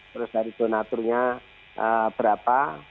terus dari donaturnya berapa